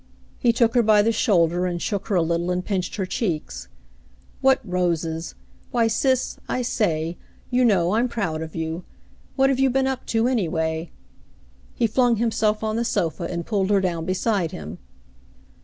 He took her by the shoulder and shook her a little and pinched her cheeks. "What roses ! Why, sis, I say, you know, I'm proud of you. What have you been up to, anyway .^" He flung himself on the sofa and pulled her down beside him.